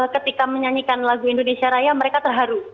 ketika menyanyikan lagu indonesia raya mereka terharu